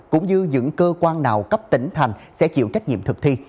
cũng như những cơ quan nào cấp tỉnh thành sẽ chịu trách nhiệm thực thi